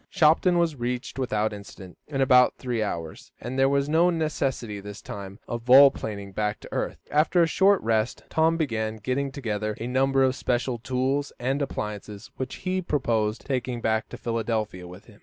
Shopton was reached without incident, in about three hours, and there was no necessity, this time, of vol planing back to earth. After a short rest, Tom began getting together a number of special tools and appliances, which he proposed taking back to Philadelphia with him.